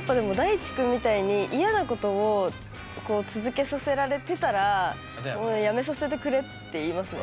いちくんみたいに嫌なことをこう続けさせられてたらもうやめさせてくれって言いますね。